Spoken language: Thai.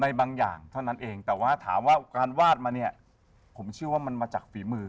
บางอย่างเท่านั้นเองแต่ว่าถามว่าการวาดมาเนี่ยผมเชื่อว่ามันมาจากฝีมือ